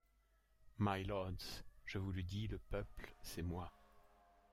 Mylords, je vous le dis, le peuple, c’est moi.